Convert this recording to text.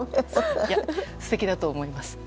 素敵だと思います。